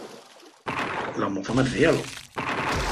La moza merecíalo.